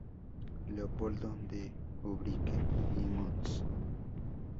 Leopoldo de Ubrique y Mons.